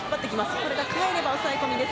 これが返れば抑え込みです。